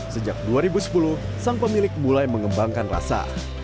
sejak dua ribu sepuluh sang pemilik mulai mengembangkan rasa